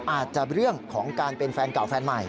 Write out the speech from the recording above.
อาจจะเรื่องของการเป็นแฟนเก่าแฟนใหม่